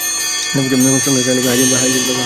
সঙ্গে ঘায়েল হবেন হাইজেনবার্গ আর বোরও।